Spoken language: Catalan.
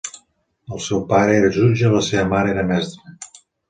El seu pare era jutge i la seva mare era mestra.